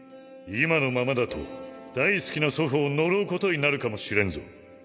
今のままだと大好きな祖父を呪うことになるかもしれんぞ。